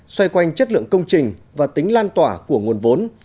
xoay quanh chất lượng công trình và tính lan tỏa của nguồn vốn